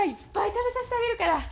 食べさしてあげるから。